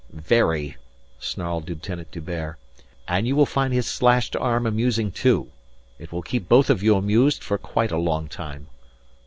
"Very," snarled Lieutenant D'Hubert. "And you will find his slashed arm amusing too. It will keep both of you amused for quite a long time."